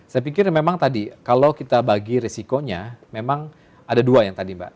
saya pikir memang tadi kalau kita bagi resikonya memang ada dua yang tadi mbak